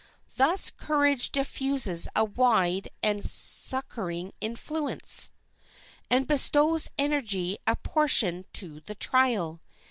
Thus courage diffuses a wide and succoring influence, and bestows energy apportioned to the trial.